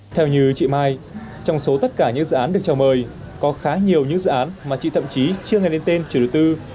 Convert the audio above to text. theo như chị mai trong số tất cả những dự án được chào mời có khá nhiều những dự án mà chị thậm chí chưa nghe đến tên chủ đầu tư